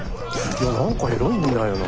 いや何かエロいんだよな。